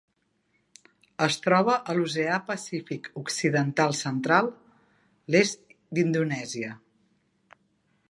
Es troba a l'Oceà Pacífic occidental central: l'est d'Indonèsia.